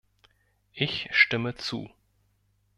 Ich stimme zu.